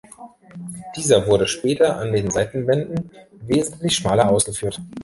Dieser wurde später an den Seitenwänden wesentlich schmaler ausgeführt.